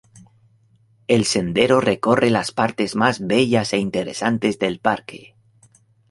El sendero recorre las partes más bellas e interesantes del parque.